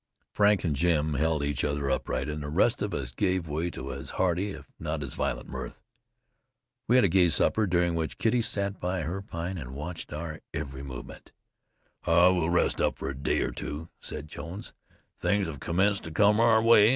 Frank and Jim held each other upright, and the rest of us gave way to as hearty if not as violent mirth. We had a gay supper, during which Kitty sat her pine and watched our every movement. "We'll rest up for a day or two," said Jones "Things have commenced to come our way.